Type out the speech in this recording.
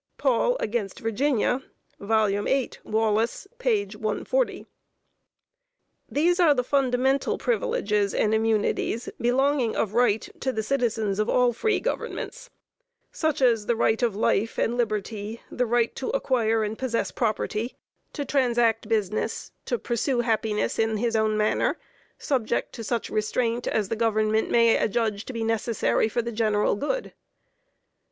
Paul agt. Virginia, 8 Wall., 140._ These are the fundamental privileges and immunities belonging of right to the citizens of all free governments, such as the right of life and liberty; the right to acquire and possess property, to transact business, to pursue happiness in his own manner, subject to such restraint as the Government may adjudge to be necessary for the general good.